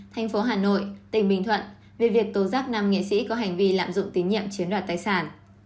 tp hn tỉnh bình thuận về việc tổ giác nam nghệ sĩ có hành vi lạm dụng tín nhiệm chiến đoạt tài sản